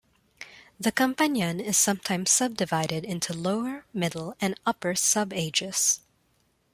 The Campanian is sometimes subdivided into Lower, Middle and Upper subages.